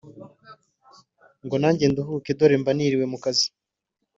Ngo nanjye nduhuke dore mba niriwe mukazi